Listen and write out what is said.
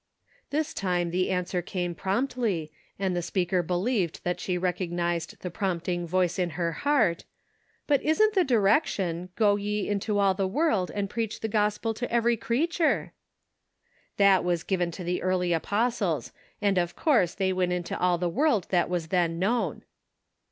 This time the answer came promptly, and the speaker believed that she recognized the prompting voice in her heart :" But isn't the direction, ' Go ye into all the world and preach the gospel to every creature ?''" That was given to the early apostles, and, of course, they went into all the world that was then known."